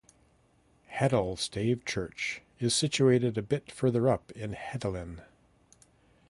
Hedal stave church is situated a bit further up in Hedalen.